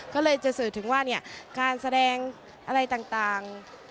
ก็เลยจะสื่อถึงว่าการแสดงอะไรต่าง